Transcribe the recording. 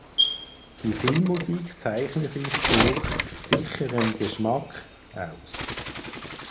Die Filmmusik zeichne sich durch „sicheren Geschmack“ aus.